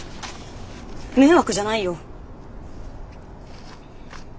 迷惑じゃないよ。